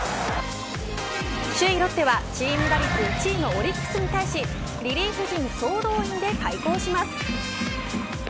首位ロッテは、チーム打率１位のオリックスに対しリリーフ陣総動員で快投します。